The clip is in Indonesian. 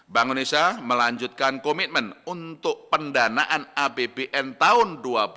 bank indonesia melanjutkan komitmen untuk pendanaan apbn tahun dua ribu dua puluh